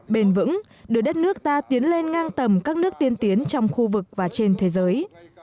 bền vững đưa đất nước ta tiến lên ngang tầm các nước tiên tiến trong khu vực và trên thế giới